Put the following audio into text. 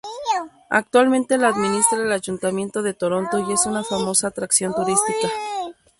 Actualmente la administra el ayuntamiento de Toronto, y es una famosa atracción turística.